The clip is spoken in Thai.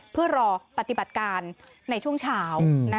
เพื่อรอปฏิบัติการในช่วงเช้า